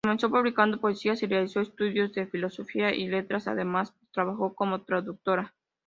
Comenzó publicando poesías y realizó estudios de Filosofía y Letras, además trabajó como traductora.